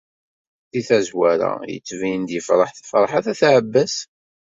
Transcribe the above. Di tazwara yettbin-d yefṛeḥ Ferḥat n At Ɛebbas.